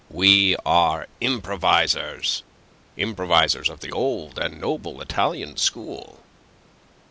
We are improvisers improvisers of the old and noble Italian school."